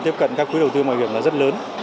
tiếp cận các quỹ đầu tư mọi quyền là rất lớn